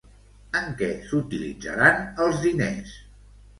En què s'utilitzaran els diners?